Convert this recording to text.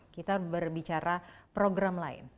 kita berbicara program lain